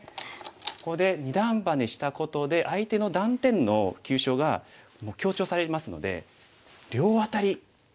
ここで二段バネしたことで相手の断点の急所が強調されますので両アタリ